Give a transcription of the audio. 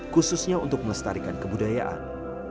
khususnya untuk melestarikan kebudayaan